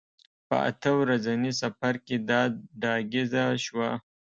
په اته ورځني سفر کې دا ډاګیزه شوه.